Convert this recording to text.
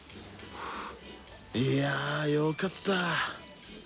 いやよかった！